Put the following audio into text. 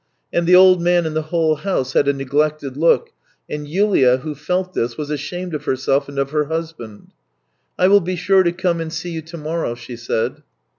And the old man and the whole house had a neglected look, and Yulia, who felt this, was ashamed of herseli and of her husband. " I will be sure to come and see you to morrow," she said.